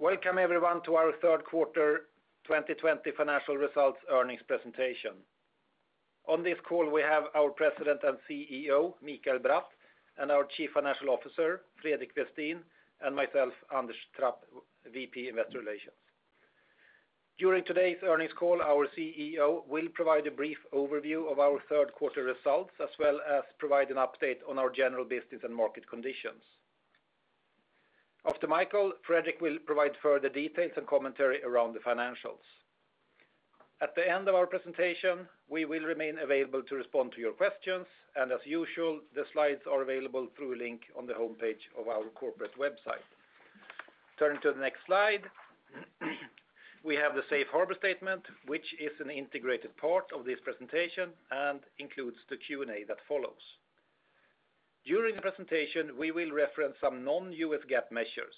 Welcome everyone to our Third Quarter 2020 Financial Results Earnings Presentation. On this call, we have our President and CEO, Mikael Bratt, and our Chief Financial Officer, Fredrik Westin, and myself, Anders Trapp, VP Investor Relations. During today's earnings call, our CEO will provide a brief overview of our third quarter results, as well as provide an update on our general business and market conditions. After Mikael, Fredrik will provide further details and commentary around the financials. At the end of our presentation, we will remain available to respond to your questions, and as usual, the slides are available through a link on the homepage of our corporate website. Turning to the next slide, we have the Safe Harbor statement, which is an integrated part of this presentation and includes the Q&A that follows. During the presentation, we will reference some non-U.S. GAAP measures.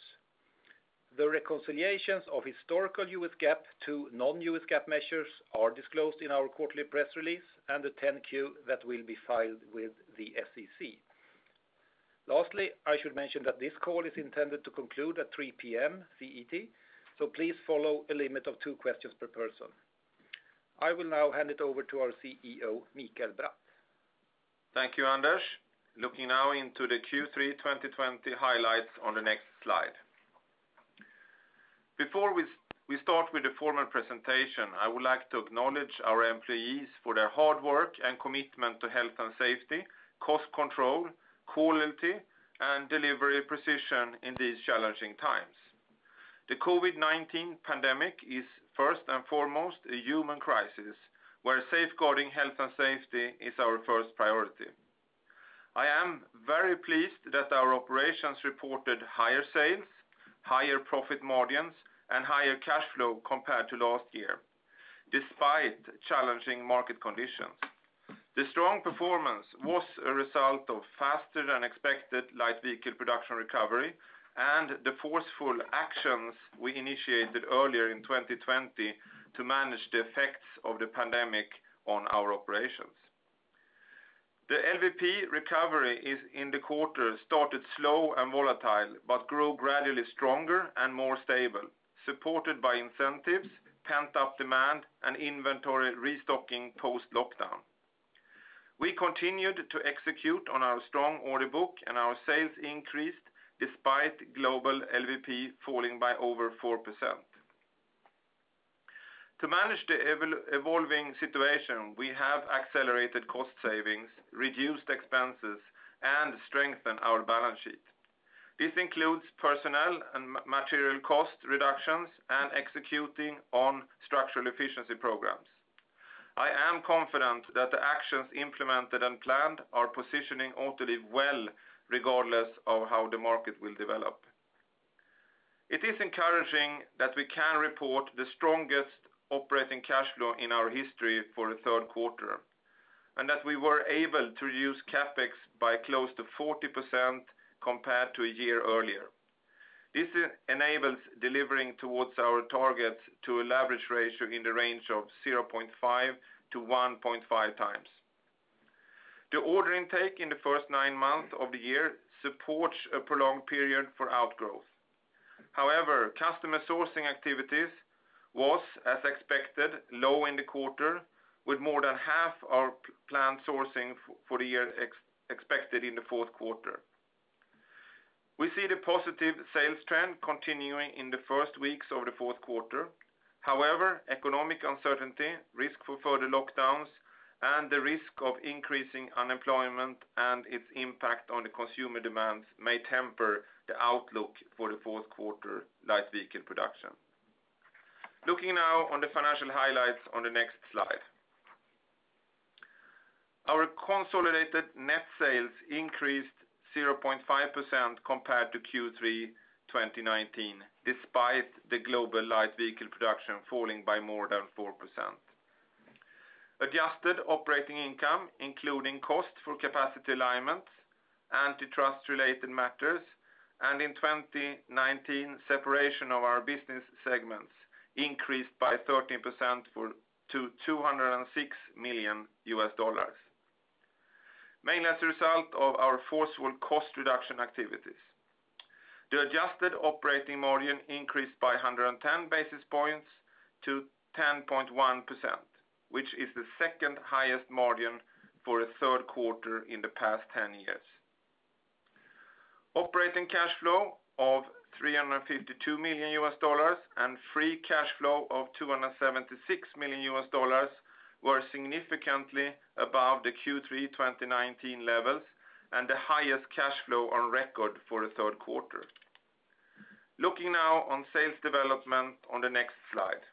The reconciliations of historical U.S. GAAP to non-U.S. GAAP measures are disclosed in our quarterly press release and the 10-Q that will be filed with the SEC. Lastly, I should mention that this call is intended to conclude at 3:00 P.M. CET. Please follow a limit of two questions per person. I will now hand it over to our CEO, Mikael Bratt. Thank you, Anders. Looking now into the Q3 2020 highlights on the next slide. Before we start with the formal presentation, I would like to acknowledge our employees for their hard work and commitment to health and safety, cost control, quality, and delivery precision in these challenging times. The COVID-19 pandemic is first and foremost a human crisis, where safeguarding health and safety is our first priority. I am very pleased that our operations reported higher sales, higher profit margins, and higher cash flow compared to last year, despite challenging market conditions. The strong performance was a result of faster than expected light vehicle production recovery and the forceful actions we initiated earlier in 2020 to manage the effects of the pandemic on our operations. The LVP recovery in the quarter started slow and volatile, but grew gradually stronger and more stable, supported by incentives, pent-up demand, and inventory restocking post-lockdown. We continued to execute on our strong order book. Our sales increased despite global LVP falling by over 4%. To manage the evolving situation, we have accelerated cost savings, reduced expenses, and strengthened our balance sheet. This includes personnel and material cost reductions and executing on Structural Efficiency Programs. I am confident that the actions implemented and planned are positioning Autoliv well regardless of how the market will develop. It is encouraging that we can report the strongest operating cash flow in our history for the third quarter, and that we were able to reduce CapEx by close to 40% compared to a year earlier. This enables delivering towards our targets to a leverage ratio in the range of 0.5-1.5 times. The order intake in the first nine months of the year supports a prolonged period for outgrowth. Customer sourcing activities was, as expected, low in the quarter, with more than half our planned sourcing for the year expected in the fourth quarter. We see the positive sales trend continuing in the first weeks of the fourth quarter. Economic uncertainty, risk for further lockdowns, and the risk of increasing unemployment and its impact on the consumer demands may temper the outlook for the fourth quarter light vehicle production. Looking now on the financial highlights on the next slide. Our consolidated net sales increased 0.5% compared to Q3 2019, despite the global light vehicle production falling by more than 4%. Adjusted operating income, including cost for capacity alignment, antitrust-related matters, and in 2019, separation of our business segments increased by 13% to $206 million. Mainly as a result of our forceful cost reduction activities. The adjusted operating margin increased by 110 basis points to 10.1%, which is the second highest margin for a third quarter in the past 10 years. Operating cash flow of $352 million and free cash flow of $276 million were significantly above the Q3 2019 levels and the highest cash flow on record for the third quarter. Looking now on sales development on the next slide.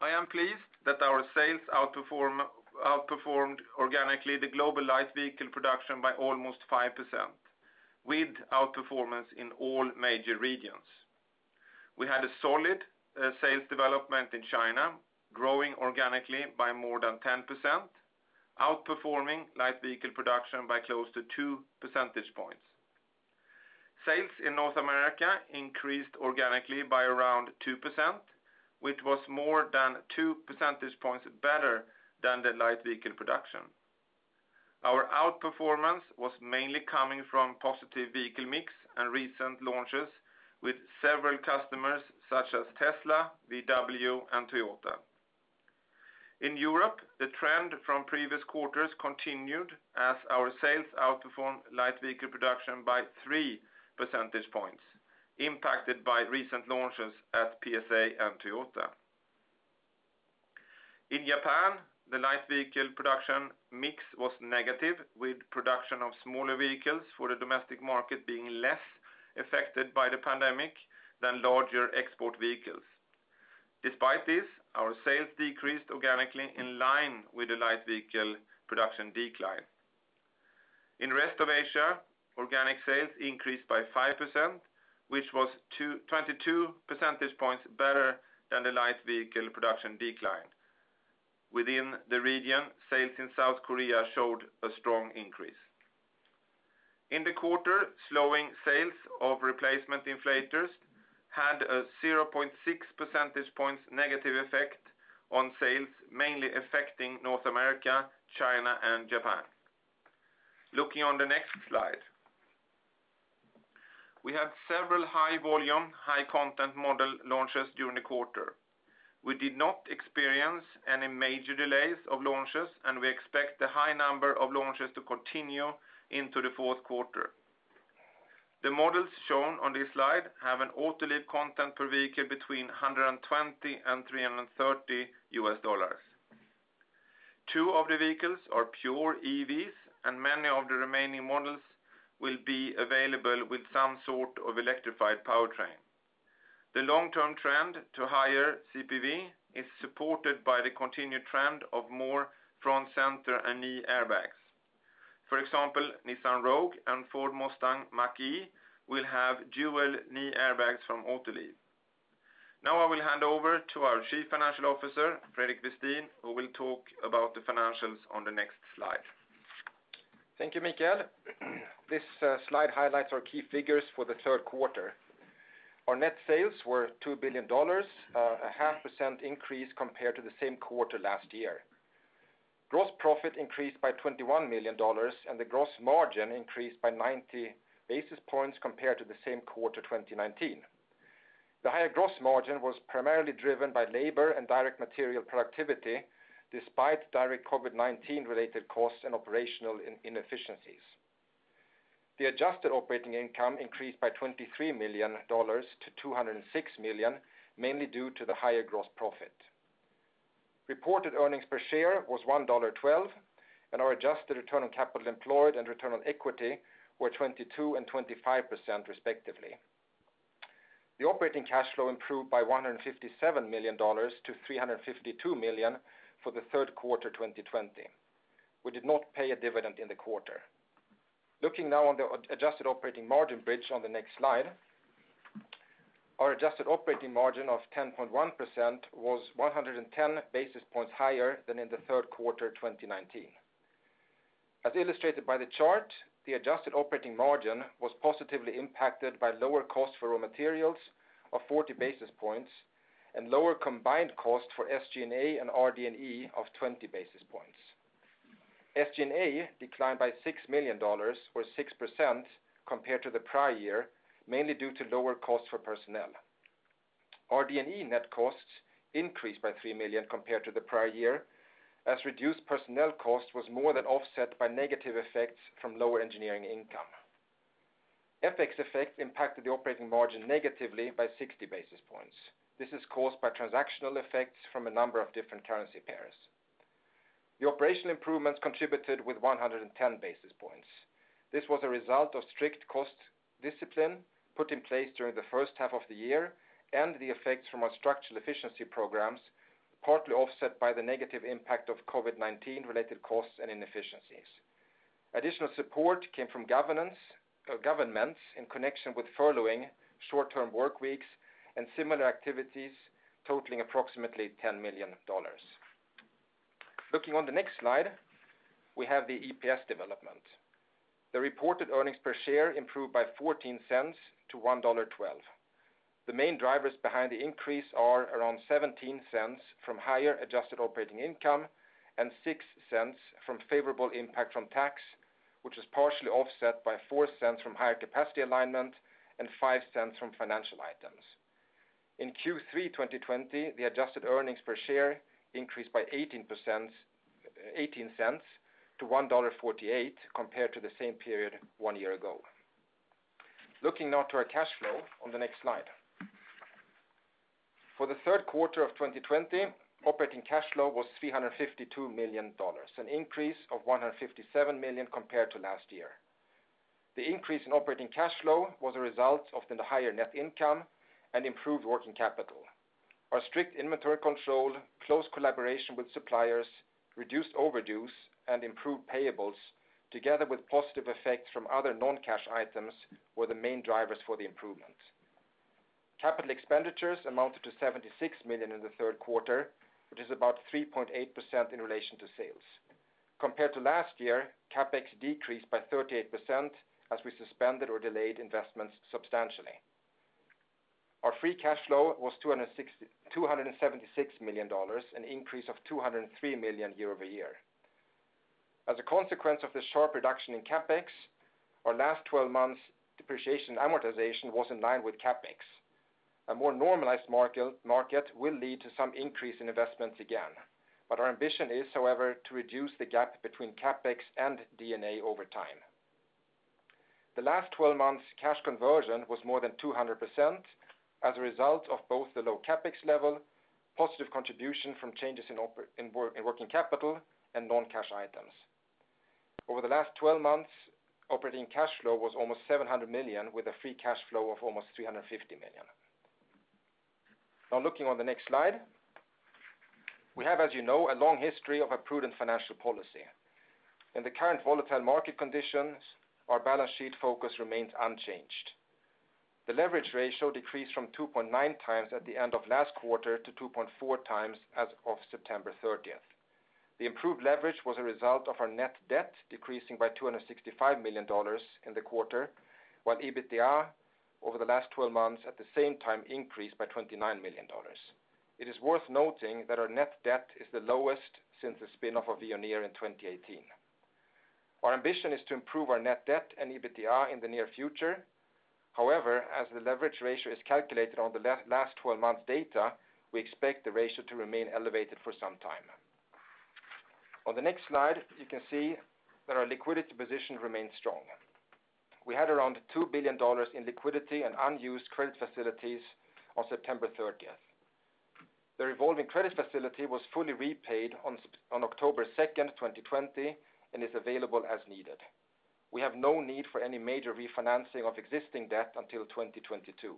I am pleased that our sales outperformed organically the global light vehicle production by almost 5%, with outperformance in all major regions. We had a solid sales development in China, growing organically by more than 10%, outperforming light vehicle production by close to two percentage points. Sales in North America increased organically by around 2%, which was more than two percentage points better than the light vehicle production. Our outperformance was mainly coming from positive vehicle mix and recent launches with several customers such as Tesla, VW, and Toyota. In Europe, the trend from previous quarters continued as our sales outperformed light vehicle production by three percentage points, impacted by recent launches at PSA and Toyota. In Japan, the light vehicle production mix was negative, with production of smaller vehicles for the domestic market being less affected by the pandemic than larger export vehicles. Despite this, our sales decreased organically in line with the light vehicle production decline. In rest of Asia, organic sales increased by 5%, which was 22 percentage points better than the light vehicle production decline. Within the region, sales in South Korea showed a strong increase. In the quarter, slowing sales of replacement inflators had a 0.6 percentage points negative effect on sales, mainly affecting North America, China, and Japan. Looking on the next slide. We have several high volume, high content model launches during the quarter. We did not experience any major delays of launches, and we expect the high number of launches to continue into the fourth quarter. The models shown on this slide have an Autoliv content per vehicle between $120 and $330. Two of the vehicles are pure EVs, and many of the remaining models will be available with some sort of electrified powertrain. The long-term trend to higher CPV is supported by the continued trend of more front center and knee airbags. For example, Nissan Rogue and Ford Mustang Mach-E will have dual knee airbags from Autoliv. Now I will hand over to our Chief Financial Officer, Fredrik Westin, who will talk about the financials on the next slide. Thank you, Mikael. This slide highlights our key figures for the third quarter. Our net sales were $2 billion, a 0.5% increase compared to the same quarter last year. Gross profit increased by $21 million, and the gross margin increased by 90 basis points compared to the same quarter 2019. The higher gross margin was primarily driven by labor and direct material productivity, despite direct COVID-19 related costs and operational inefficiencies. The adjusted operating income increased by $23 million to $206 million, mainly due to the higher gross profit. Reported earnings per share was $1.12, and our adjusted return on capital employed and return on equity were 22% and 25%, respectively. The operating cash flow improved by $157 million to $352 million for the third quarter 2020. We did not pay a dividend in the quarter. Looking now on the adjusted operating margin bridge on the next slide. Our adjusted operating margin of 10.1% was 110 basis points higher than in the third quarter 2019. As illustrated by the chart, the adjusted operating margin was positively impacted by lower cost for raw materials of 40 basis points and lower combined cost for SG&A and RD&E of 20 basis points. SG&A declined by $6 million, or 6%, compared to the prior year, mainly due to lower costs for personnel. RD&E net costs increased by $3 million compared to the prior year as reduced personnel costs was more than offset by negative effects from lower engineering income. FX effect impacted the operating margin negatively by 60 basis points. This is caused by transactional effects from a number of different currency pairs. The operational improvements contributed with 110 basis points. This was a result of strict cost discipline put in place during the first half of the year and the effects from our Structural Efficiency Programs, partly offset by the negative impact of COVID-19 related costs and inefficiencies. Additional support came from governments in connection with furloughing short-term work weeks and similar activities totaling approximately $10 million. Looking on the next slide, we have the EPS development. The reported earnings per share improved by $0.14 to $1.12. The main drivers behind the increase are around $0.17 from higher adjusted operating income and $0.06 from favorable impact from tax, which is partially offset by $0.04 from higher capacity alignment and $0.05 from financial items. In Q3 2020, the adjusted earnings per share increased by $0.18 to $1.48 compared to the same period one year ago. Looking now to our cash flow on the next slide. For the third quarter of 2020, operating cash flow was $352 million, an increase of $157 million compared to last year. The increase in operating cash flow was a result of the higher net income and improved working capital. Our strict inventory control, close collaboration with suppliers, reduced overdues, and improved payables, together with positive effects from other non-cash items, were the main drivers for the improvement. Capital expenditures amounted to $76 million in the third quarter, which is about 3.8% in relation to sales. Compared to last year, CapEx decreased by 38% as we suspended or delayed investments substantially. Our free cash flow was $276 million, an increase of $203 million year-over-year. As a consequence of the sharp reduction in CapEx, our last 12 months depreciation amortization was in line with CapEx. A more normalized market will lead to some increase in investments again. Our ambition is, however, to reduce the gap between CapEx and D&A over time. The last 12 months, cash conversion was more than 200% as a result of both the low CapEx level, positive contribution from changes in working capital, and non-cash items. Over the last 12 months, operating cash flow was almost $700 million, with a free cash flow of almost $350 million. Looking on the next slide. We have, as you know, a long history of a prudent financial policy. In the current volatile market conditions, our balance sheet focus remains unchanged. The leverage ratio decreased from 2.9x at the end of last quarter to 2.4x as of September 30th. The improved leverage was a result of our net debt decreasing by $265 million in the quarter, while EBITDA over the last 12 months at the same time increased by $29 million. It is worth noting that our net debt is the lowest since the spin-off of Veoneer in 2018. Our ambition is to improve our net debt and EBITDA in the near future. As the leverage ratio is calculated on the last 12 months data, we expect the ratio to remain elevated for some time. On the next slide, you can see that our liquidity position remains strong. We had around $2 billion in liquidity and unused credit facilities on September 30th. The revolving credit facility was fully repaid on October 2nd, 2020, and is available as needed. We have no need for any major refinancing of existing debt until 2022.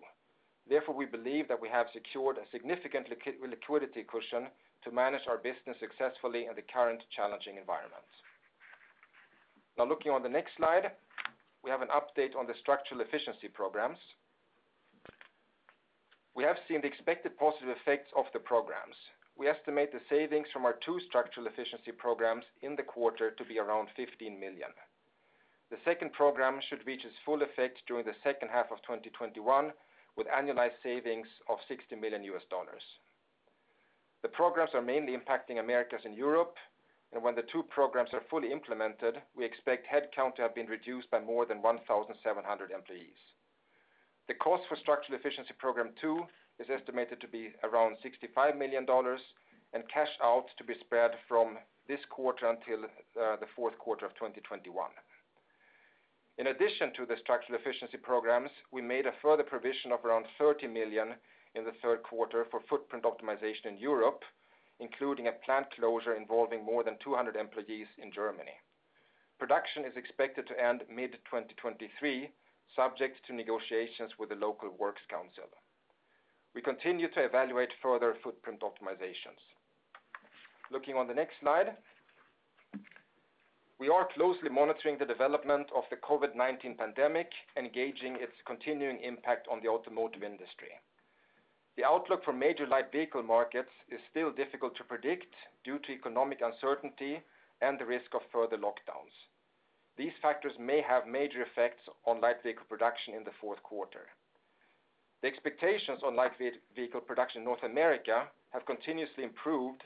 We believe that we have secured a significant liquidity cushion to manage our business successfully in the current challenging environment. Looking on the next slide, we have an update on the structural efficiency programs. We have seen the expected positive effects of the programs. We estimate the savings from our two Structural Efficiency Programs in the quarter to be around $15 million. The second program should reach its full effect during the second half of 2021, with annualized savings of $60 million. The programs are mainly impacting Americas and Europe. When the two programs are fully implemented, we expect headcount to have been reduced by more than 1,700 employees. The cost for Structural Efficiency Program two is estimated to be around $65 million. Cash out to be spread from this quarter until the fourth quarter of 2021. In addition to the Structural Efficiency Programs, we made a further provision of around $30 million in the third quarter for footprint optimization in Europe, including a plant closure involving more than 200 employees in Germany. Production is expected to end mid-2023, subject to negotiations with the local works council. We continue to evaluate further footprint optimizations. Looking on the next slide. We are closely monitoring the development of the COVID-19 pandemic and gauging its continuing impact on the automotive industry. The outlook for major light vehicle markets is still difficult to predict due to economic uncertainty and the risk of further lockdowns. These factors may have major effects on light vehicle production in the fourth quarter. The expectations on light vehicle production in North America have continuously improved,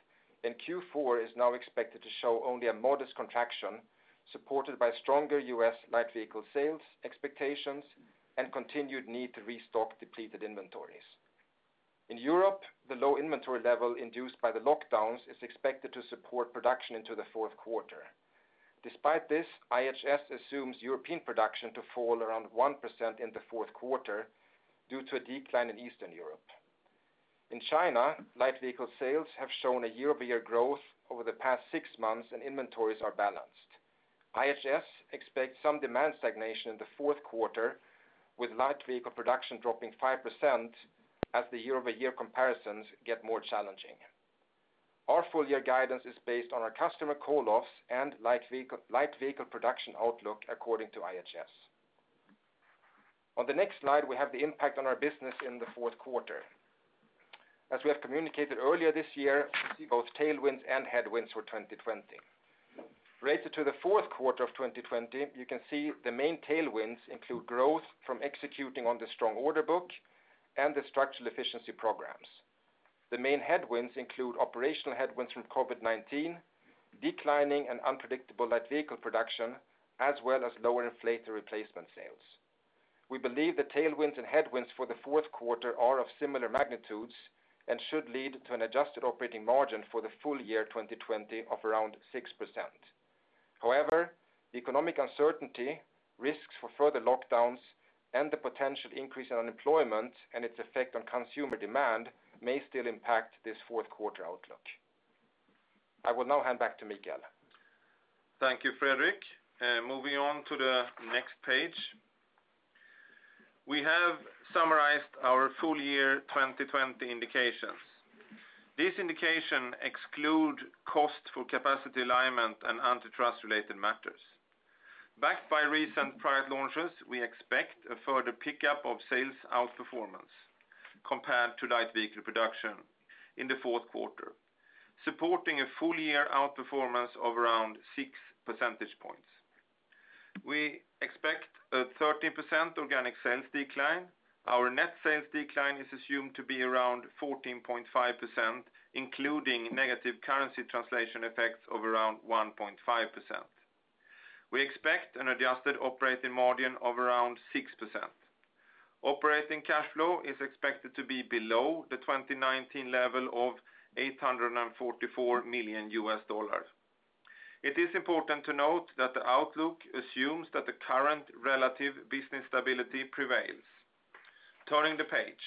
and Q4 is now expected to show only a modest contraction, supported by stronger U.S. light vehicle sales expectations and continued need to restock depleted inventories. In Europe, the low inventory level induced by the lockdowns is expected to support production into the fourth quarter. Despite this, IHS assumes European production to fall around 1% in the fourth quarter due to a decline in Eastern Europe. In China, light vehicle sales have shown a year-over-year growth over the past six months and inventories are balanced. IHS expects some demand stagnation in the fourth quarter, with light vehicle production dropping 5% as the year-over-year comparisons get more challenging. Our full year guidance is based on our customer call-offs and light vehicle production outlook according to IHS. On the next slide, we have the impact on our business in the fourth quarter. As we have communicated earlier this year, we see both tailwinds and headwinds for 2020. Related to the fourth quarter of 2020, you can see the main tailwinds include growth from executing on the strong order book and the Structural Efficiency Programs. The main headwinds include operational headwinds from COVID-19, declining and unpredictable light vehicle production, as well as lower inflator replacement sales. We believe the tailwinds and headwinds for the fourth quarter are of similar magnitudes and should lead to an adjusted operating margin for the full year 2020 of around 6%. The economic uncertainty, risks for further lockdowns, and the potential increase in unemployment and its effect on consumer demand may still impact this fourth quarter outlook. I will now hand back to Mikael. Thank you, Fredrik. Moving on to the next page. We have summarized our full year 2020 indications. These indications exclude cost for capacity alignment and antitrust related matters. Backed by recent product launches, we expect a further pickup of sales outperformance compared to light vehicle production in the fourth quarter, supporting a full year outperformance of around six percentage points. We expect a 13% organic sales decline. Our net sales decline is assumed to be around 14.5%, including negative currency translation effects of around 1.5%. We expect an adjusted operating margin of around 6%. Operating cash flow is expected to be below the 2019 level of $844 million. It is important to note that the outlook assumes that the current relative business stability prevails. Turning the page.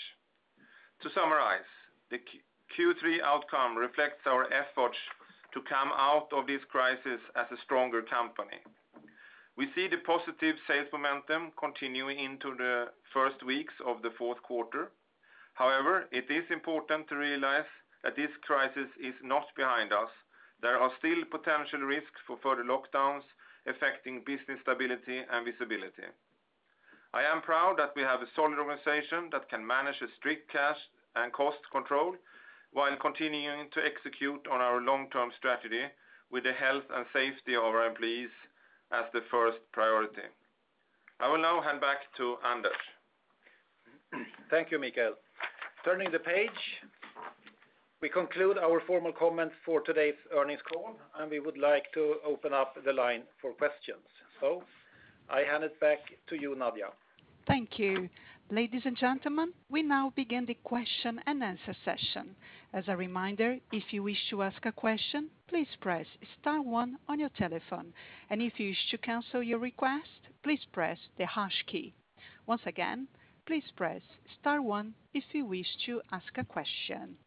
To summarize, the Q3 outcome reflects our efforts to come out of this crisis as a stronger company. We see the positive sales momentum continuing into the first weeks of the fourth quarter. However, it is important to realize that this crisis is not behind us. There are still potential risks for further lockdowns affecting business stability and visibility. I am proud that we have a solid organization that can manage a strict cash and cost control while continuing to execute on our long-term strategy with the health and safety of our employees as the first priority. I will now hand back to Anders. Thank you, Mikael. Turning the page, we conclude our formal comments for today's earnings call, and we would like to open up the line for questions. I hand it back to you, Nadia. Thank you. Ladies and gentlemen, we now begin the question and answer session. As a reminder, if you wish to ask a question, please press star one on your telephone, and if you wish to cancel your request, please press the hash key. Once again, please press star one if you wish to ask a question.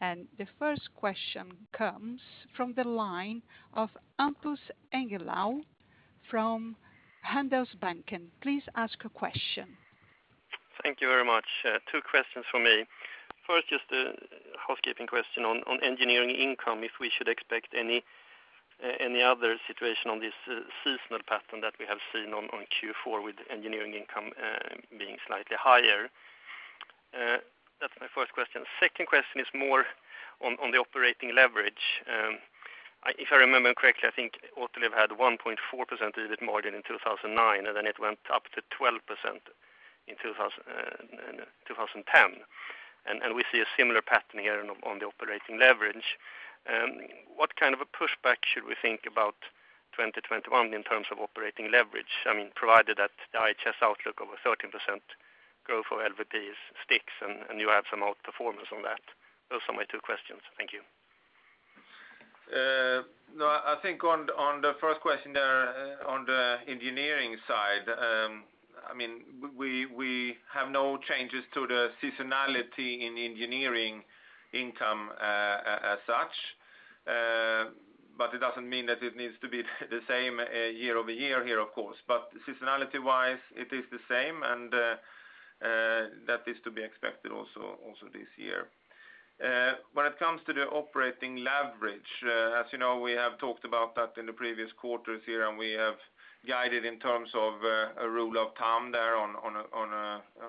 The first question comes from the line of Hampus Engellau from Handelsbanken. Please ask a question. Thank you very much. Two questions from me. First, just a housekeeping question on engineering income, if we should expect any other situation on this seasonal pattern that we have seen on Q4 with engineering income being slightly higher? That's my first question. Second question is more on the operating leverage. If I remember correctly, I think Autoliv had 1.4% EBIT margin in 2009, and then it went up to 12% in 2010, and we see a similar pattern here on the operating leverage. What kind of a pushback should we think about 2021 in terms of operating leverage? I mean, provided that the IHS outlook of a 13% growth of LVPs sticks, and you have some outperformance on that. Those are my two questions. Thank you. I think on the first question there on the engineering side, we have no changes to the seasonality in engineering income as such. It doesn't mean that it needs to be the same year-over-year here, of course. Seasonality-wise, it is the same, and that is to be expected also this year. When it comes to the operating leverage, as you know, we have talked about that in the previous quarters here, and we have guided in terms of a rule of thumb there on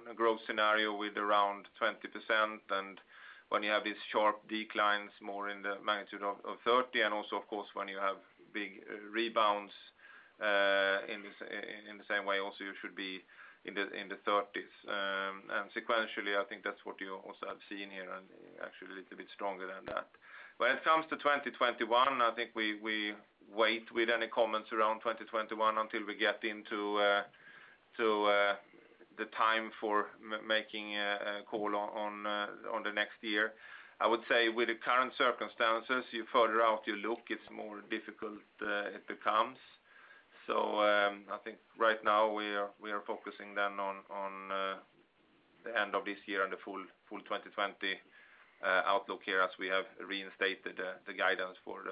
a growth scenario with around 20%. When you have these sharp declines more in the magnitude of 30%, and also, of course, when you have big rebounds, in the same way also you should be in the 30s. Sequentially, I think that's what you also have seen here, and actually a little bit stronger than that. When it comes to 2021, I think we wait with any comments around 2021 until we get into the time for making a call on the next year. I would say with the current circumstances, the further out you look, it is more difficult it becomes. I think right now we are focusing then on the end of this year and the full 2020 outlook here as we have reinstated the guidance for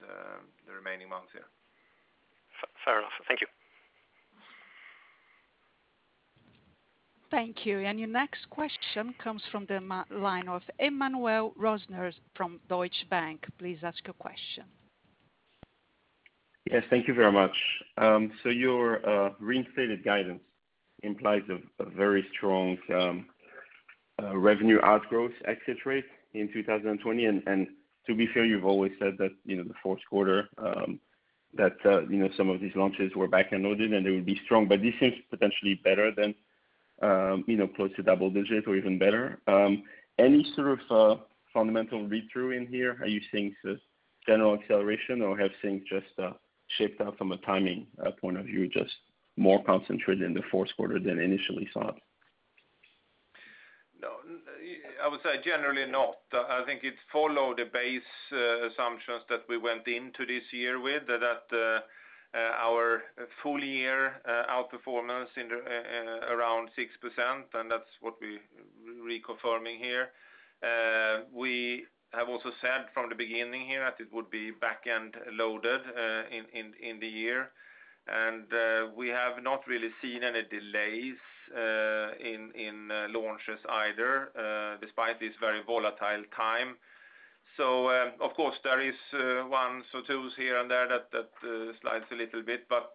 the remaining months here. Fair enough. Thank you. Thank you. Your next question comes from the line of Emmanuel Rosner from Deutsche Bank. Please ask your question. Yes, thank you very much. Your reinstated guidance implies a very strong revenue outgrowth exit rate in 2020, and to be fair, you've always said that the fourth quarter, that some of these launches were back-end loaded, and they would be strong, but this seems potentially better than close to double-digit or even better. Any sort of fundamental read-through in here? Are you seeing general acceleration, or have things just shaped out from a timing point of view, just more concentrated in the fourth quarter than initially thought? No, I would say generally not. I think it followed the base assumptions that we went into this year with, that our full year outperformance around 6%, and that's what we're reconfirming here. We have also said from the beginning here that it would be back-end loaded in the year, and we have not really seen any delays in launches either despite this very volatile time. Of course there is one or twos here and there that slides a little bit, but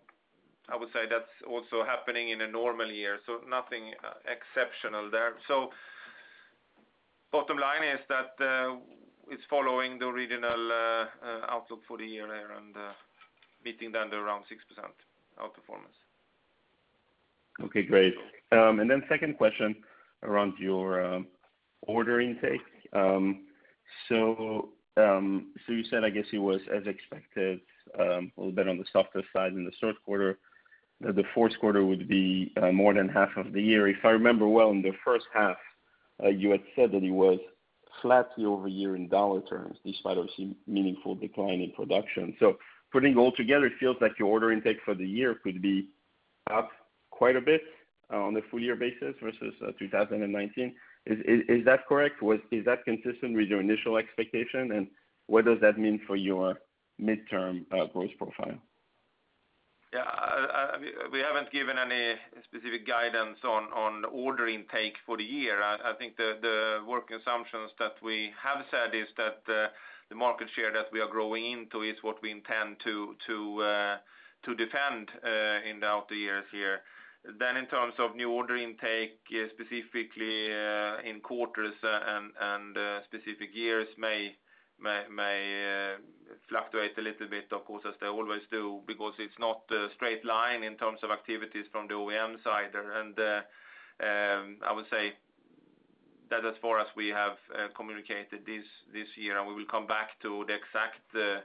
I would say that's also happening in a normal year, so nothing exceptional there. Bottom line is that it's following the regional outlook for the year, and beating them around 6% outperformance. Okay, great. Then second question around your order intake. You said, I guess it was as expected, a little bit on the softer side in the third quarter, that the fourth quarter would be more than half of the year. If I remember well, in the first half, you had said that it was flat year-over-year in dollar terms, despite a meaningful decline in production. Putting all together, it feels like your order intake for the year could be up quite a bit on the full year basis versus 2019. Is that correct? Is that consistent with your initial expectation? What does that mean for your midterm growth profile? Yeah. We haven't given any specific guidance on order intake for the year. I think the work assumptions that we have said is that the market share that we are growing into is what we intend to defend in the out years here. In terms of new order intake, specifically in quarters and specific years may fluctuate a little bit, of course, as they always do, because it's not a straight line in terms of activities from the OEM side. I would say that as far as we have communicated this year, and we will come back to the exact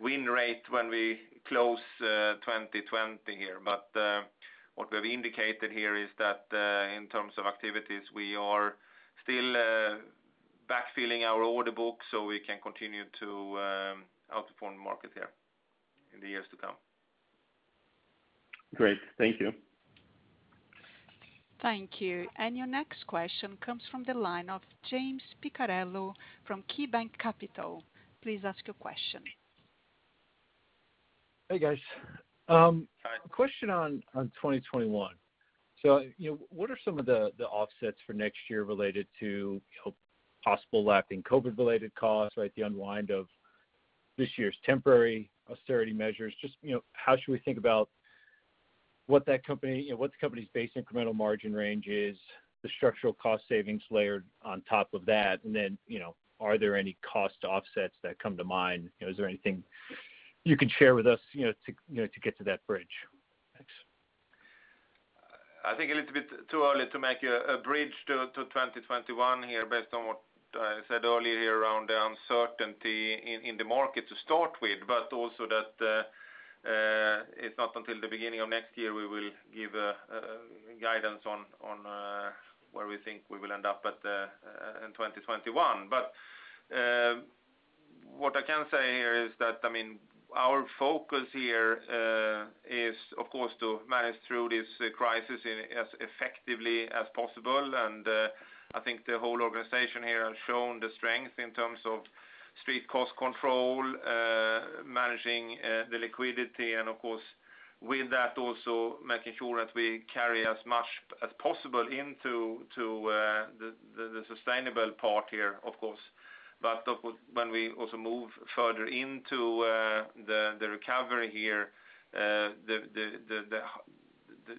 win rate when we close 2020 here. What we have indicated here is that, in terms of activities, we are still backfilling our order book so we can continue to outperform the market here in the years to come. Great. Thank you. Thank you. Your next question comes from the line of James Picariello from KeyBanc Capital. Please ask your question. Hey, guys. Hi. Question on 2021. What are some of the offsets for next year related to possible lapping COVID-19 related costs, the unwind of this year's temporary austerity measures? How should we think about what the company's base incremental margin range is, the structural cost savings layered on top of that? Are there any cost offsets that come to mind? Is there anything you can share with us to get to that bridge? Thanks. I think a little bit too early to make a bridge to 2021 here based on what I said earlier here around the uncertainty in the market to start with, also that it's not until the beginning of next year, we will give a guidance on where we think we will end up in 2021. What I can say here is that our focus here is, of course, to manage through this crisis as effectively as possible. I think the whole organization here has shown the strength in terms of strict cost control, managing the liquidity, and of course, with that, also making sure that we carry as much as possible into the sustainable part here, of course. When we also move further into the recovery here,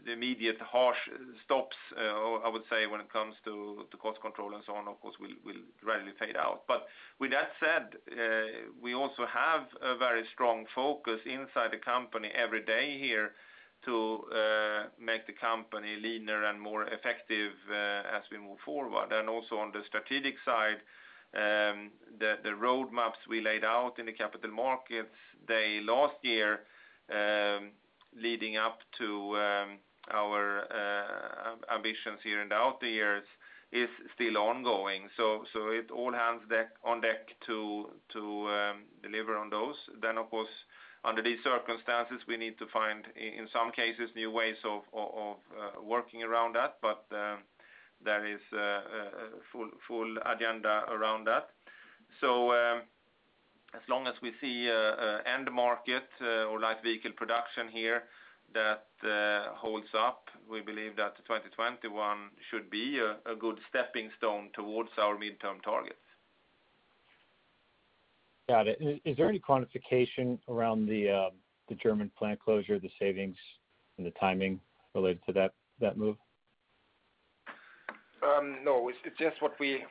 the immediate harsh stops, I would say, when it comes to cost control and so on, of course, will gradually fade out. With that said, we also have a very strong focus inside the company every day here to make the company leaner and more effective as we move forward. Also on the strategic side, the roadmaps we laid out in the capital markets day last year, leading up to our ambitions here in the out years is still ongoing. It's all hands on deck to deliver on those. Of course, under these circumstances, we need to find, in some cases, new ways of working around that. There is a full agenda around that. As long as we see end market or light vehicle production here that holds up, we believe that 2021 should be a good stepping stone towards our midterm targets. Got it. Is there any quantification around the German plant closure, the savings, and the timing related to that move? No. It's just what we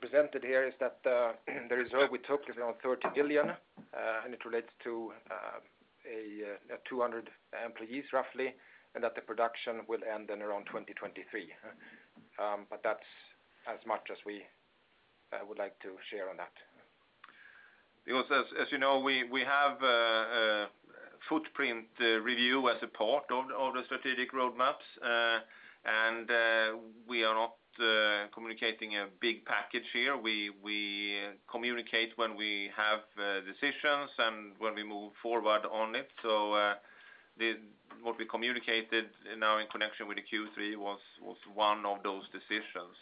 presented here is that the reserve we took is around $30 million, and it relates to 200 employees roughly, and that the production will end in around 2023. That's as much as we would like to share on that. As you know, we have a footprint review as a part of the strategic roadmaps. We are not communicating a big package here. We communicate when we have decisions and when we move forward on it. What we communicated now in connection with the Q3 was one of those decisions.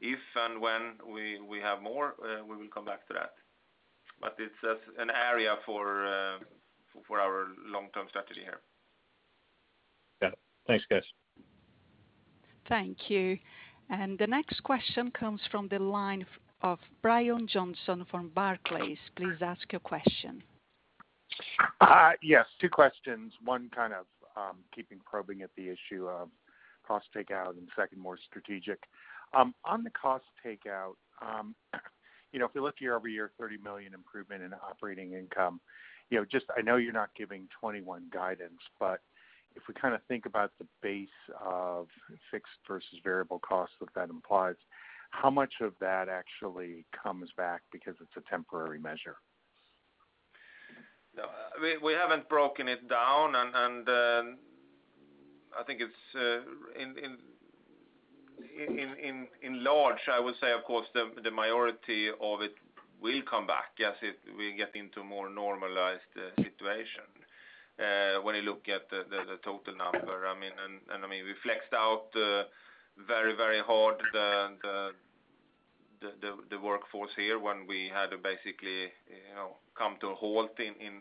If and when we have more, we will come back to that. It's an area for our long-term strategy here. Got it. Thanks, guys. Thank you. The next question comes from the line of Brian Johnson from Barclays. Please ask your question. Yes. Two questions. One, keeping probing at the issue of cost takeout. Second, more strategic. On the cost takeout, if we look year-over-year, $30 million improvement in operating income. I know you're not giving 2021 guidance. If we think about the base of fixed versus variable costs, what that implies, how much of that actually comes back because it's a temporary measure? We haven't broken it down. I think it's in large, I would say, of course, the majority of it will come back as we get into more normalized situation. When you look at the total number, we flexed out very hard the workforce here when we had to basically come to a halt in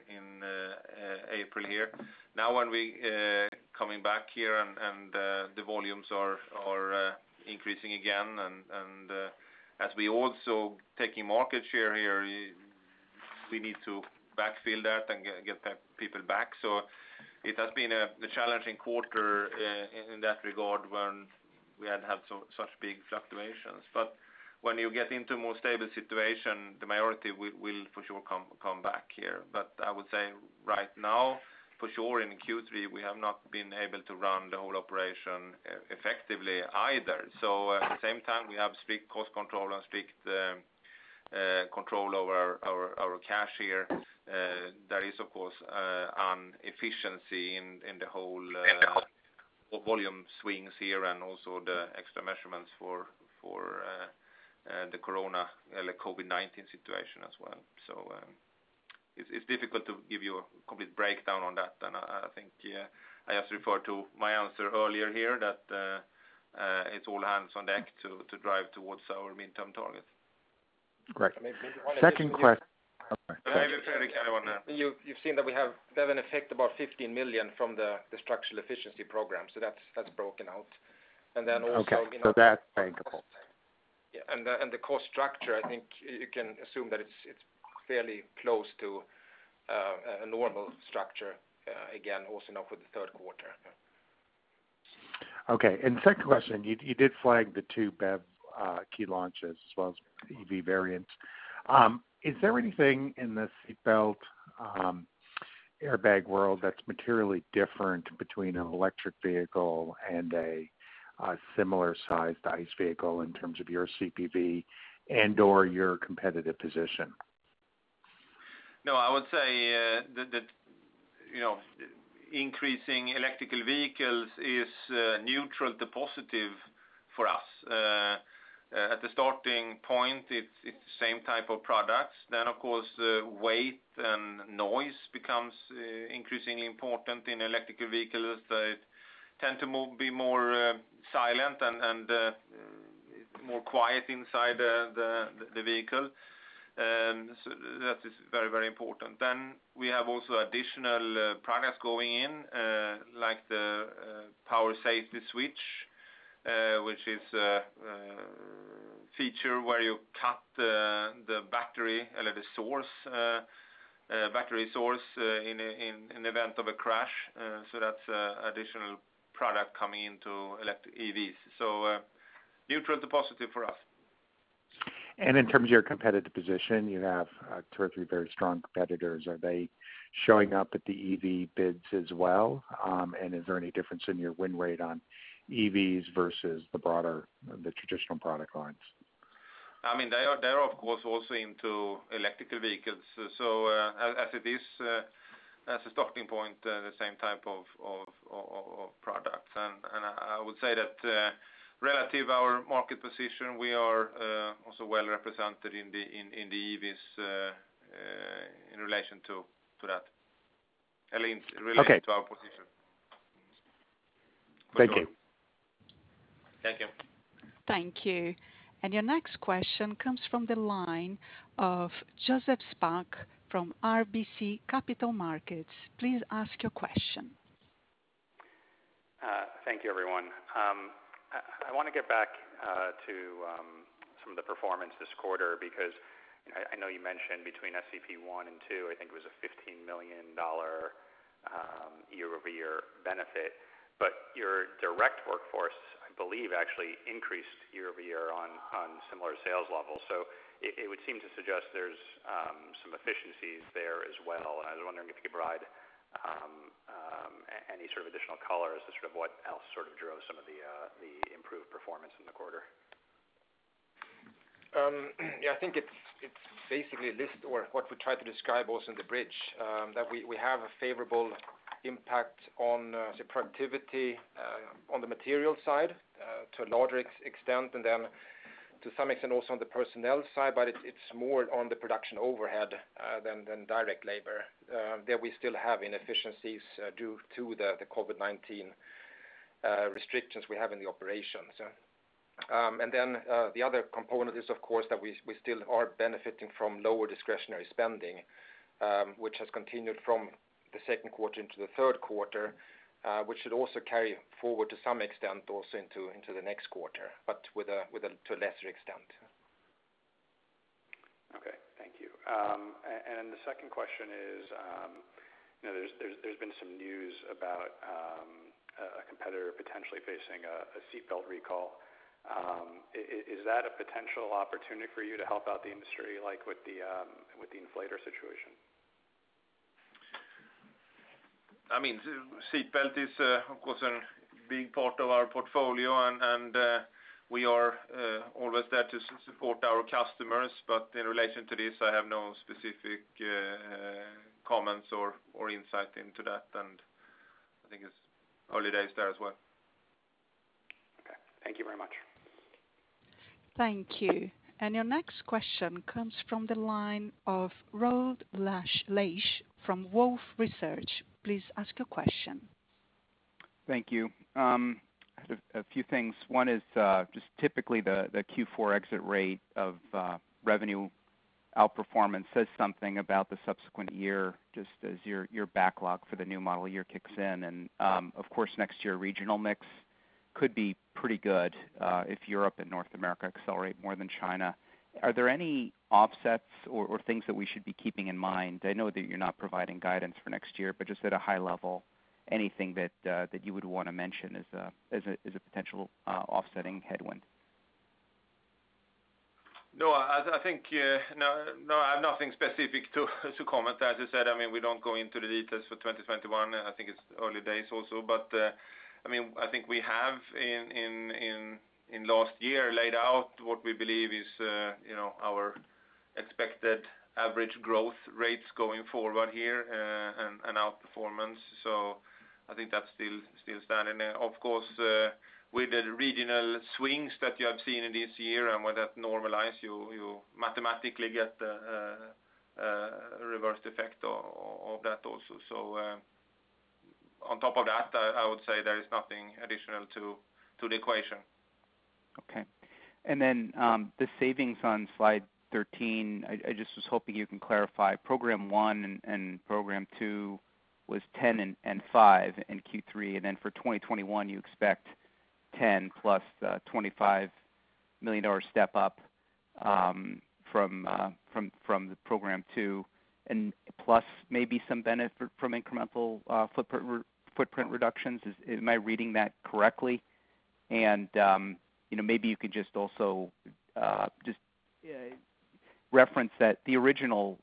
April here. Now when we coming back here and the volumes are increasing again, and as we also taking market share here, we need to backfill that and get people back. It has been a challenging quarter in that regard when we had such big fluctuations. When you get into a more stable situation, the majority will for sure come back here. I would say right now, for sure in Q3, we have not been able to run the whole operation effectively either. At the same time, we have strict cost control and strict control over our cash here. There is, of course, an efficiency in the whole volume swings here and also the extra measurements for the COVID-19 situation as well. It's difficult to give you a complete breakdown on that. I think I have to refer to my answer earlier here that it's all hands on deck to drive towards our midterm target. Great. Okay. Maybe Fredrik add on that. You've seen that we have an effect about $15 million from the Structural Efficiency Program, so that's broken out. Okay. That's paying the cost. Yeah. The cost structure, I think you can assume that it's fairly close to a normal structure, again, also now for the third quarter. Okay. Second question, you did flag the two BEV key launches, as well as EV variants. Is there anything in the seatbelt airbag world that's materially different between an electric vehicle and a similar sized ICE vehicle in terms of your CPV and/or your competitive position? I would say that increasing electrical vehicles is neutral to positive for us. At the starting point, it's the same type of products. Of course, weight and noise becomes increasingly important in electrical vehicles. They tend to be more silent and more quiet inside the vehicle. That is very important. We have also additional products going in, like the pyro safety switch, which is a feature where you cut the battery source in event of a crash. That's additional product coming into EVs. Neutral to positive for us. In terms of your competitive position, you have two or three very strong competitors. Are they showing up at the EV bids as well? Is there any difference in your win rate on EVs versus the broader, the traditional product lines? They are, of course, also into electric vehicles. As it is, as a starting point, the same type of products. I would say that relative our market position, we are also well represented in the EVs in relation to that. In relation to our position. Okay. Thank you. Thank you. Thank you. Your next question comes from the line of Joseph Spak from RBC Capital Markets. Please ask your question. Thank you, everyone. I want to get back to some of the performance this quarter. I know you mentioned between SEP one and two, I think it was a $15 million year-over-year benefit. Your direct workforce, I believe, actually increased year-over-year on similar sales levels. It would seem to suggest there's some efficiencies there as well. I was wondering if you could provide any sort of additional color as to sort of what else sort of drove some of the improved performance in the quarter. Yeah, I think it's basically a list or what we try to describe also in the bridge, that we have a favorable impact on the productivity on the material side to a larger extent, and then to some extent also on the personnel side, but it's more on the production overhead than direct labor. There we still have inefficiencies due to the COVID-19 restrictions we have in the operations. The other component is, of course, that we still are benefiting from lower discretionary spending, which has continued from the second quarter into the third quarter, which should also carry forward to some extent also into the next quarter, but to a lesser extent. Okay. Thank you. The second question is, there's been some news about a competitor potentially facing a seatbelt recall. Is that a potential opportunity for you to help out the industry, like with the inflator situation? Seatbelt is, of course, a big part of our portfolio. We are always there to support our customers. In relation to this, I have no specific comments or insight into that, and I think it's early days there as well. Okay. Thank you very much. Thank you. Your next question comes from the line of Rod Lache from Wolfe Research. Please ask your question. Thank you. I have a few things. One is just typically the Q4 exit rate of revenue outperformance says something about the subsequent year, just as your backlog for the new model year kicks in. Of course, next year regional mix could be pretty good if Europe and North America accelerate more than China. Are there any offsets or things that we should be keeping in mind? I know that you're not providing guidance for next year, just at a high level, anything that you would want to mention as a potential offsetting headwind? No, I have nothing specific to comment. As I said, we don't go into the details for 2021. I think it's early days also. I think we have, in last year, laid out what we believe is our expected average growth rates going forward here, and outperformance. I think that's still standing there. Of course, with the regional swings that you have seen in this year and when that normalizes, you mathematically get the reverse effect of that also. On top of that, I would say there is nothing additional to the equation. Okay. The savings on Slide 13, I just was hoping you can clarify. Program one and Program two was $10 and $5 in Q3. For 2021, you expect $10 plus the $25 million step-up from the Program two, plus maybe some benefit from incremental footprint reductions. Am I reading that correctly? Maybe you could just also reference that the original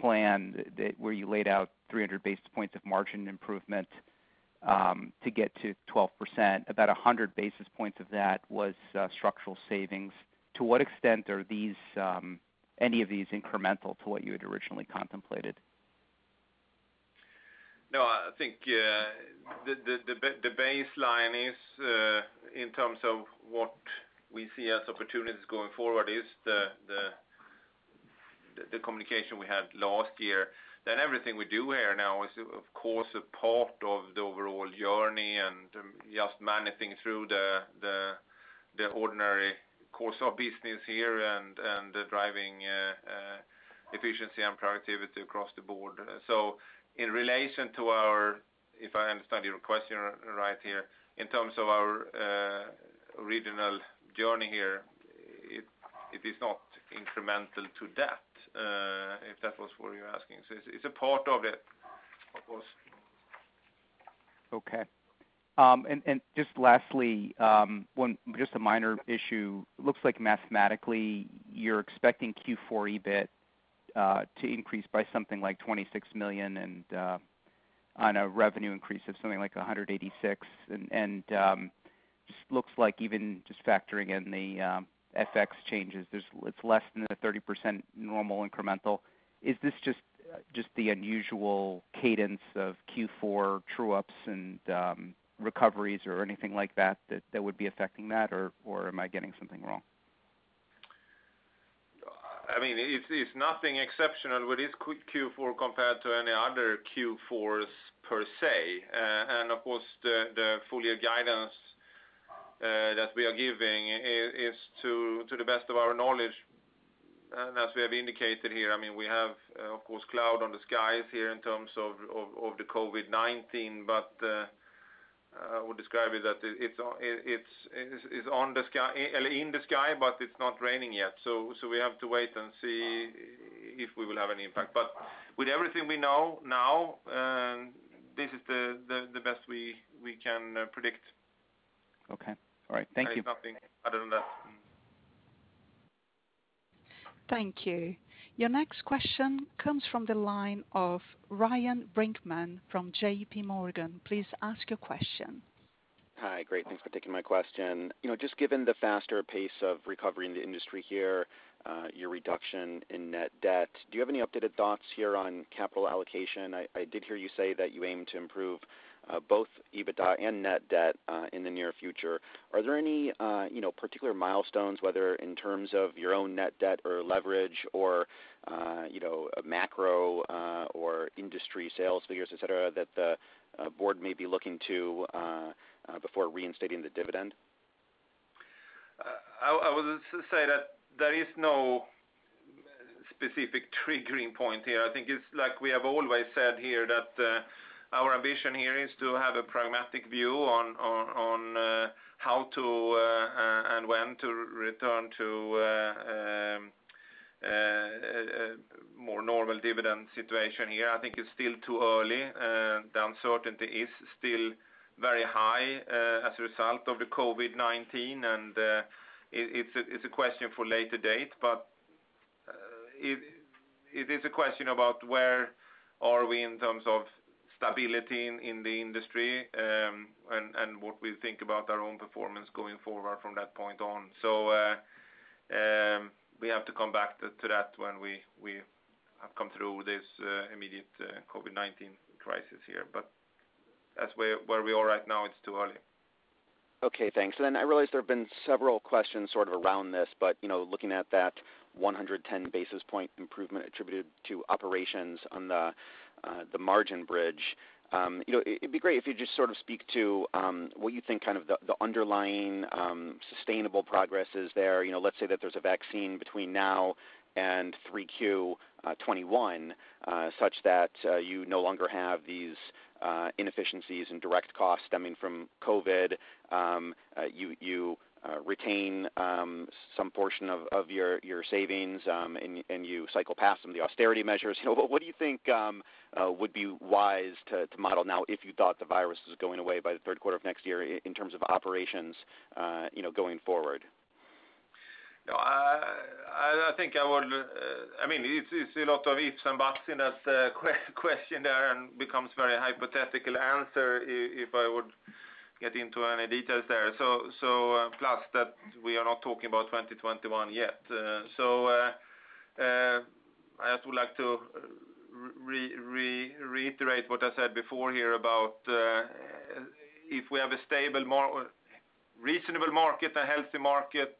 plan, where you laid out 300 basis points of margin improvement to get to 12%, about 100 basis points of that was structural savings. To what extent are any of these incremental to what you had originally contemplated? No, I think the baseline is, in terms of what we see as opportunities going forward, is the communication we had last year. Everything we do here now is, of course, a part of the overall journey and just managing through the ordinary course of business here and driving efficiency and productivity across the board. In relation to our, if I understand your question right here, in terms of our regional journey here, it is not incremental to that, if that was what you were asking. It's a part of it, of course. Okay. Just lastly, just a minor issue. It looks like mathematically you're expecting Q4 EBIT to increase by something like $26 million and on a revenue increase of something like $186 million. It just looks like even just factoring in the FX changes, it's less than a 30% normal incremental. Is this just the unusual cadence of Q4 true-ups and recoveries or anything like that would be affecting that? Or am I getting something wrong? It's nothing exceptional with this Q4 compared to any other Q4s per se. Of course, the full year guidance that we are giving is to the best of our knowledge. As we have indicated here, we have, of course, cloud on the skies here in terms of the COVID-19. I would describe it that it's in the sky, but it's not raining yet. We have to wait and see if we will have any impact. With everything we know now, this is the best we can predict. Okay. All right. Thank you. There is nothing other than that. Thank you. Your next question comes from the line of Ryan Brinkman from JPMorgan. Please ask your question. Hi. Great. Thanks for taking my question. Just given the faster pace of recovery in the industry here, your reduction in net debt, do you have any updated thoughts here on capital allocation? I did hear you say that you aim to improve both EBITDA and net debt in the near future. Are there any particular milestones, whether in terms of your own net debt or leverage or macro or industry sales figures, et cetera, that the board may be looking to before reinstating the dividend? I would say that there is no specific triggering point here. I think it is like we have always said here, that our ambition here is to have a pragmatic view on how to and when to return to a more normal dividend situation here. I think it is still too early. The uncertainty is still very high as a result of the COVID-19, and it is a question for later date, but it is a question about where are we in terms of stability in the industry, and what we think about our own performance going forward from that point on. We have to come back to that when we have come through this immediate COVID-19 crisis here. That's where we are right now. It is too early. Okay, thanks. I realize there have been several questions around this, but looking at that 110 basis point improvement attributed to operations on the margin bridge. It'd be great if you'd just speak to what you think the underlying sustainable progress is there. Let's say that there's a vaccine between now and 3Q 2021, such that you no longer have these inefficiencies and direct costs stemming from COVID. You retain some portion of your savings, and you cycle past some of the austerity measures. What do you think would be wise to model now if you thought the virus was going away by the third quarter of next year in terms of operations going forward? It's a lot of ifs and buts in that question there and becomes very hypothetical answer if I would get into any details there. We are not talking about 2021 yet. I just would like to reiterate what I said before here about if we have a reasonable market, a healthy market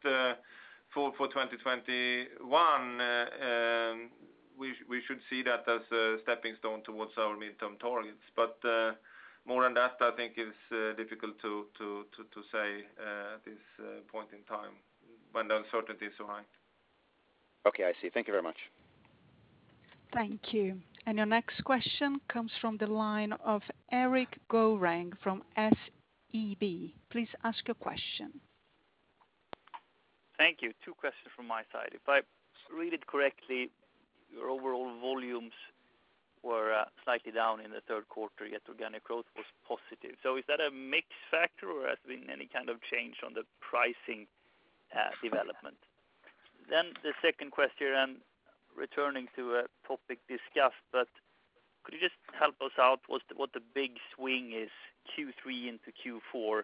for 2021, we should see that as a stepping stone towards our midterm targets. More than that, I think is difficult to say at this point in time when the uncertainty is so high. Okay, I see. Thank you very much. Thank you. Your next question comes from the line of Erik Golrang from SEB. Please ask your question. Thank you. Two questions from my side. Two questions from my side. If I read it correctly, your overall volumes were slightly down in the third quarter, yet organic growth was positive. Is that a mix factor or has there been any kind of change on the pricing development? The second question, I'm returning to a topic discussed, but could you just help us out what the big swing is Q3 into Q4?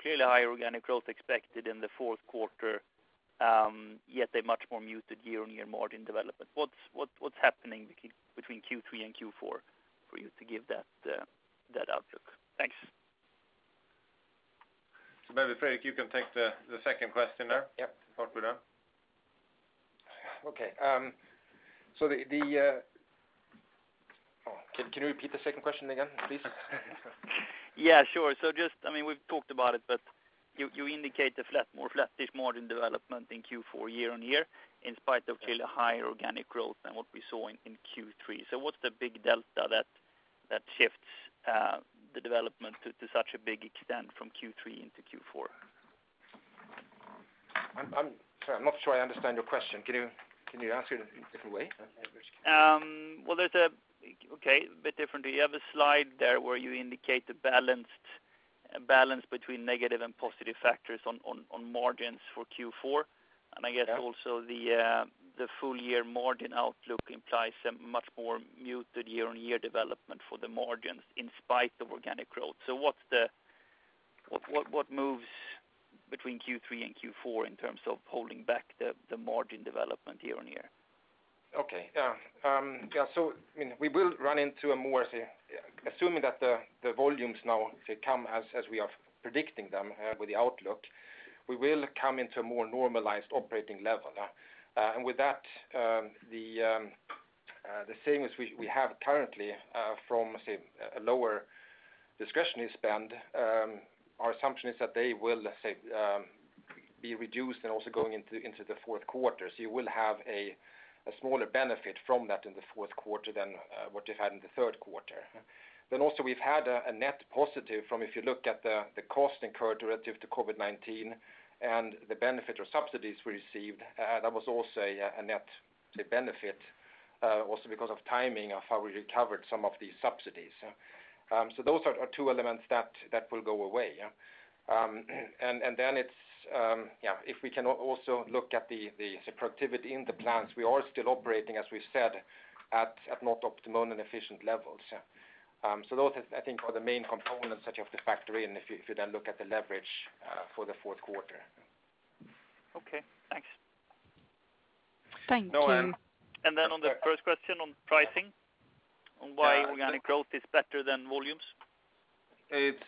Clearly higher organic growth expected in the fourth quarter, yet a much more muted year-on-year margin development. What's happening between Q3 and Q4 for you to give that outlook? Thanks. Maybe, Fredrik, you can take the second question there? Yep. Start with that. Okay. Can you repeat the second question again, please? Yeah, sure. We've talked about it, but you indicate a more flat-ish margin development in Q4 year-on-year, in spite of clearly higher organic growth than what we saw in Q3. What's the big delta that shifts the development to such a big extent from Q3 into Q4? I'm sorry. I'm not sure I understand your question. Can you ask it in a different way? Okay. A bit differently. You have a slide there where you indicate the balance between negative and positive factors on margins for Q4. Yeah. I guess also the full year margin outlook implies a much more muted year-on-year development for the margins in spite of organic growth. What moves between Q3 and Q4 in terms of holding back the margin development year-on-year? Okay. Yeah. We will run into a more, say, assuming that the volumes now come as we are predicting them with the outlook, we will come into a more normalized operating level. With that, the savings we have currently from, say, a lower discretionary spend, our assumption is that they will, let's say, be reduced and also going into the fourth quarter. You will have a smaller benefit from that in the fourth quarter than what you had in the third quarter. Also we've had a net positive from, if you look at the cost incurred relative to COVID-19 and the benefit or subsidies we received, that was also a net benefit, also because of timing of how we recovered some of these subsidies. Those are two elements that will go away. If we can also look at the productivity in the plants, we are still operating, as we said, at not optimum and efficient levels. Those, I think, are the main components that you have to factor in if you then look at the leverage for the fourth quarter. Okay, thanks. Thank you. No worries. On the first question on pricing. Yeah on why organic growth is better than volumes? It's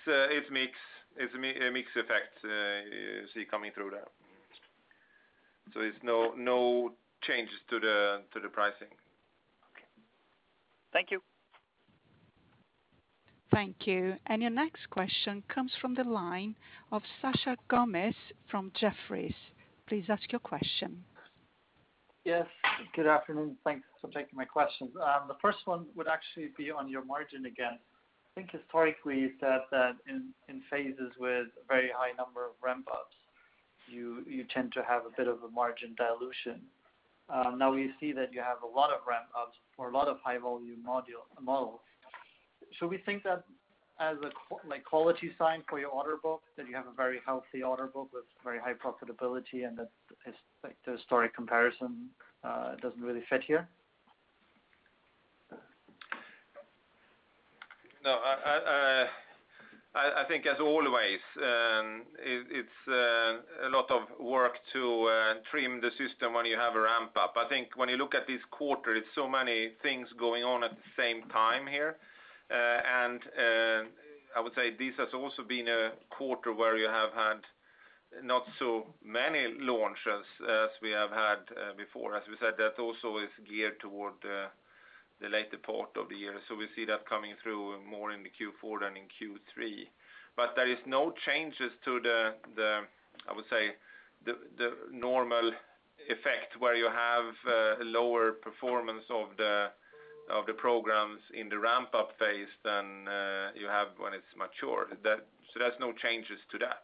a mix effect you see coming through there. It's no changes to the pricing. Okay. Thank you. Thank you. Your next question comes from the line of Sascha Gommel from Jefferies. Please ask your question. Yes. Good afternoon. Thanks for taking my questions. The first one would actually be on your margin again. I think historically you said that in phases with a very high number of ramp-ups, you tend to have a bit of a margin dilution. We see that you have a lot of ramp-ups for a lot of high-volume models. Should we think that as a quality sign for your order book, that you have a very healthy order book with very high profitability and that the historic comparison doesn't really fit here? No, I think as always, it's a lot of work to trim the system when you have a ramp up. I think when you look at this quarter, it's so many things going on at the same time here. I would say this has also been a quarter where you have had not so many launches as we have had before. As we said, that also is geared toward the later part of the year. We see that coming through more in the Q4 than in Q3. There is no changes to the, I would say, the normal effect where you have a lower performance of the programs in the ramp-up phase than you have when it's mature. There's no changes to that.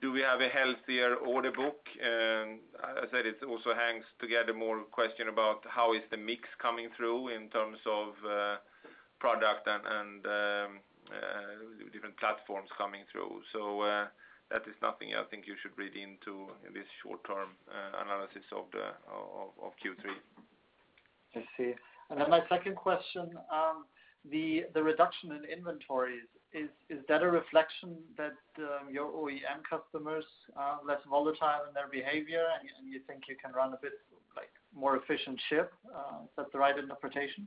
Do we have a healthier order book? I said it also hangs together more question about how is the mix coming through in terms of product and different platforms coming through. That is nothing I think you should read into this short term analysis of Q3. I see. My second question, the reduction in inventories, is that a reflection that your OEM customers are less volatile in their behavior, and you think you can run a bit more efficient ship? Is that the right interpretation?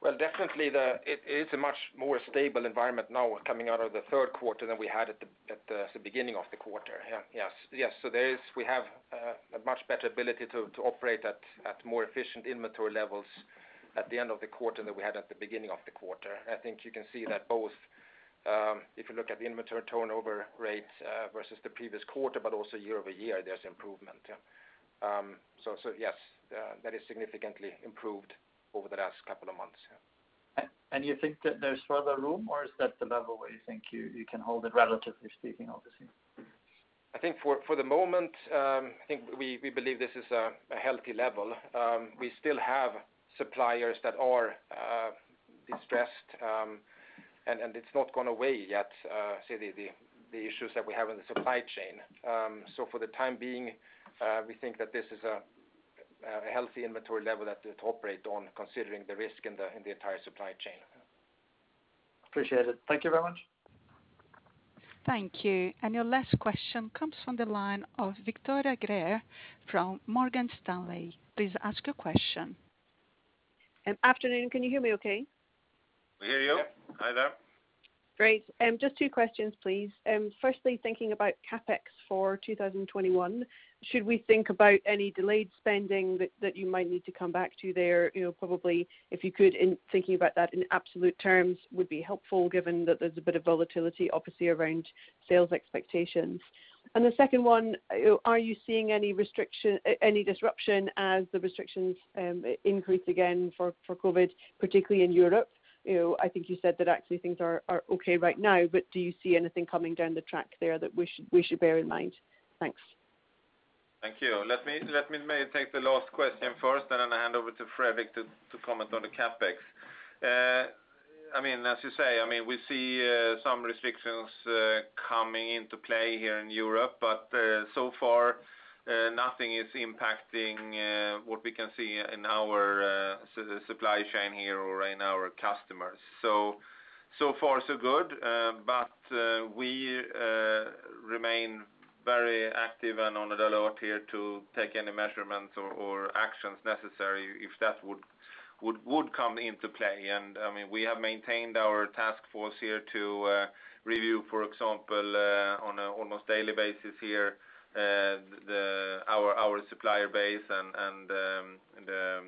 Well, definitely it is a much more stable environment now coming out of the third quarter than we had at the beginning of the quarter. Yes. There we have a much better ability to operate at more efficient inventory levels at the end of the quarter than we had at the beginning of the quarter. I think you can see that both, if you look at the inventory turnover rate, versus the previous quarter, also year-over-year, there's improvement. Yes, that is significantly improved over the last couple of months. Yeah. You think that there's further room or is that the level where you think you can hold it relatively speaking, obviously? I think for the moment, I think we believe this is a healthy level. We still have suppliers that are distressed, and it's not gone away yet, say the issues that we have in the supply chain. For the time being, we think that this is a healthy inventory level to operate on considering the risk in the entire supply chain. Appreciate it. Thank you very much. Thank you. Your last question comes from the line of Victoria Greer from Morgan Stanley. Please ask your question. Afternoon. Can you hear me okay? We hear you. Hi there. Great. Just two questions please. Firstly, thinking about CapEx for 2021, should we think about any delayed spending that you might need to come back to there? Probably if you could, in thinking about that in absolute terms would be helpful given that there's a bit of volatility obviously around sales expectations. The second one, are you seeing any disruption as the restrictions increase again for COVID, particularly in Europe? I think you said that actually things are okay right now, but do you see anything coming down the track there that we should bear in mind? Thanks. Thank you. Let me take the last question first, and then I'll hand over to Fredrik to comment on the CapEx. As you say, we see some restrictions coming into play here in Europe, but so far nothing is impacting what we can see in our supply chain here or in our customers. So far so good. We remain very active and on the alert here to take any measurements or actions necessary if that would come into play. We have maintained our task force here to review, for example, on a almost daily basis here our supplier base and the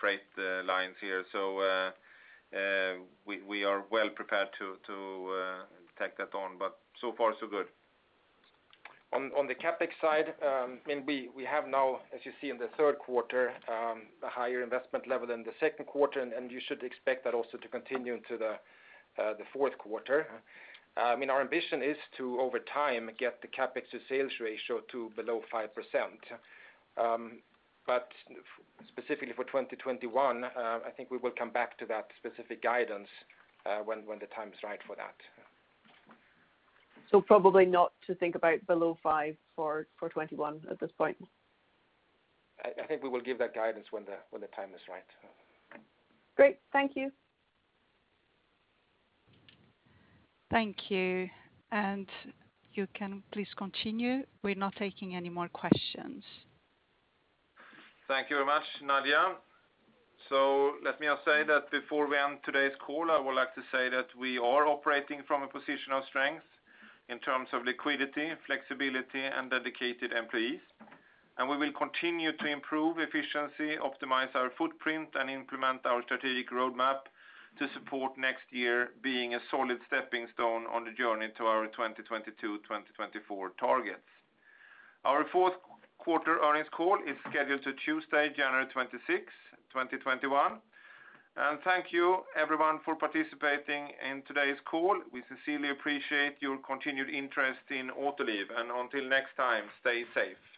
freight lines here. We are well prepared to take that on, but so far so good. On the CapEx side, we have now, as you see in the third quarter, a higher investment level than the second quarter, and you should expect that also to continue into the fourth quarter. Our ambition is to, over time, get the CapEx to sales ratio to below 5%. Specifically for 2021, I think we will come back to that specific guidance when the time is right for that. Probably not to think about below five for 2021 at this point? I think we will give that guidance when the time is right. Great. Thank you. Thank you. You can please continue. We're not taking any more questions. Thank you very much, Nadia. Let me just say that before we end today's call, I would like to say that we are operating from a position of strength in terms of liquidity, flexibility, and dedicated employees, and we will continue to improve efficiency, optimize our footprint, and implement our strategic roadmap to support next year being a solid stepping stone on the journey to our 2022/2024 targets. Our fourth quarter earnings call is scheduled to Tuesday, January 26th, 2021. Thank you everyone for participating in today's call. We sincerely appreciate your continued interest in Autoliv. Until next time, stay safe.